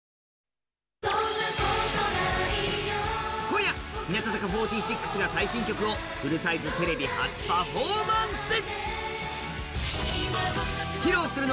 今夜日向坂４６が最新曲をフルサイズテレビ初パフォーマンス。